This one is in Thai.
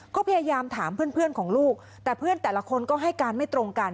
ก็พยายามถามเพื่อนของลูกแต่เพื่อนแต่ละคนก็ให้การไม่ตรงกัน